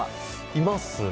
いますね。